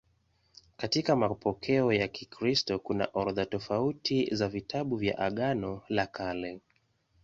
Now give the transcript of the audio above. Katika mapokeo ya Kikristo kuna orodha tofauti za vitabu vya Agano la Kale.